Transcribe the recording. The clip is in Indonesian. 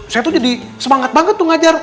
saya tuh jadi semangat banget tuh ngajar